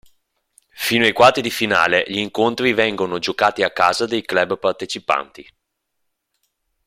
Fino ai quarti di finale, gli incontri vengono giocati a casa dei club partecipanti.